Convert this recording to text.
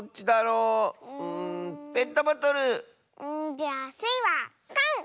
じゃあスイはかん！